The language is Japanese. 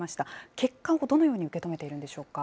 結果をどのように受け止めているんでしょうか。